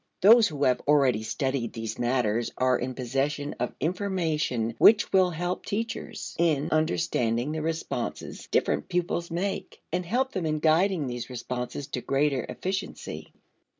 Those who have already studied these matters are in possession of information which will help teachers in understanding the responses different pupils make, and help them in guiding these responses to greater efficiency.